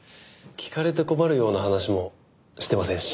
聞かれて困るような話もしてませんし。